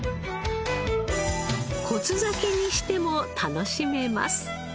骨酒にしても楽しめます。